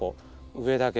上だけ。